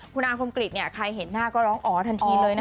คุณอาคมกริจใครเห็นหน้าก็ร้องอ๋อทันทีเลยนะคะ